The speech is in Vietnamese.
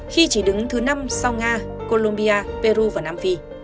khi chỉ đứng thứ năm sau nga colombia peru và nam phi